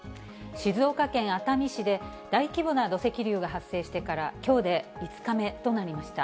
静岡県熱海市で大規模な土石流が発生してからきょうで５日目となりました。